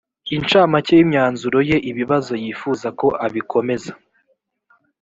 incamake y imyanzuro ye ibibazo yifuza ko abikomeza